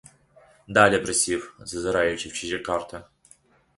Далі присів, зазираючи в чужі карти.